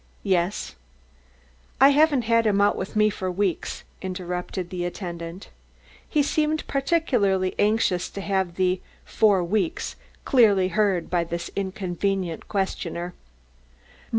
"Yes." "I haven't had him out with me for weeks," interrupted the attendant. He seemed particularly anxious to have the "for weeks" clearly heard by this inconvenient questioner.